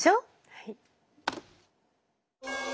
はい。